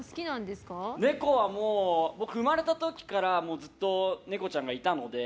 ネコは、生まれた時からずっとネコちゃんがいたので。